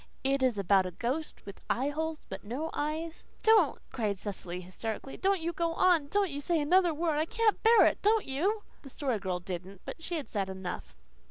"It is about a ghost with eyeholes but no eyes " "Don't," cried Cecily hysterically. "Don't you go on! Don't you say another word! I can't bear it! Don't you!" The Story Girl didn't. But she had said enough.